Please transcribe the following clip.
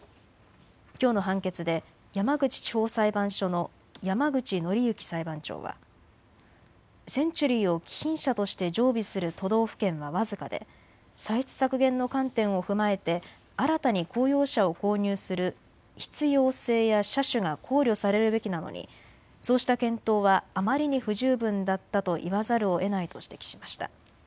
きょうの判決で山口地方裁判所の山口格之裁判長はセンチュリーを貴賓車として常備する都道府県は僅かで歳出削減の観点を踏まえて新たに公用車を購入する必要性や車種が考慮されるべきなのにそうした検討はあまりに不十分だったと言わざるをえないと指摘しました。